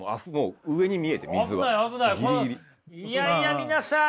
いやいや皆さん